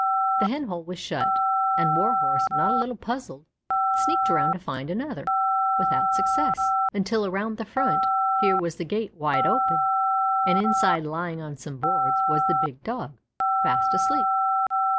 The hen hole was shut, and Warhorse, not a little puzzled, sneaked around to find another, without success, until, around the front, here was the gate wide open, and inside lying on some boards was the big Dog, fast asleep.